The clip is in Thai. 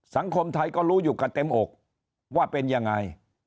สังคมไทยก็รู้อยู่กันเต็มอกว่าเป็นยังไง